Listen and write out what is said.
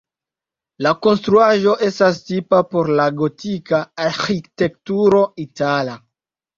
La konstruaĵo estas tipa por la gotika arĥitekturo itala.